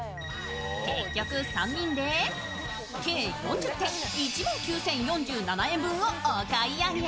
結局、３人で計４０点、１万９０４７円分をお買い上げ。